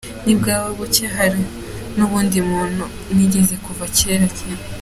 ntibwaba buke. Hari n’undi muntu nigeze kumva muri Kenya